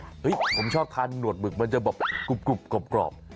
เห้ยผมไม่ชอบคานหัวหนวดหมึกมันจะบอกกรบ